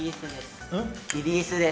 リリースです。